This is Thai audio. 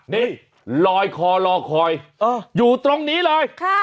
นี่ลอยคอรอคอยอยู่ตรงนี้เลย